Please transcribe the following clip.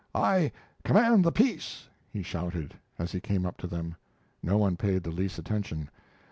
"I command the peace!" he shouted, as he came up to them. No one paid the least attention.